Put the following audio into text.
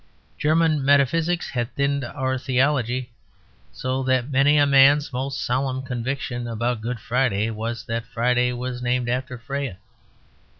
German metaphysics had thinned our theology, so that many a man's most solemn conviction about Good Friday was that Friday was named after Freya.